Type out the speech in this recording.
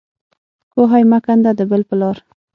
کوهی مه کنده د بل په لار.